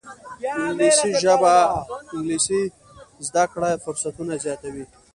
انګلیسي زده کړه فرصتونه زیاتوي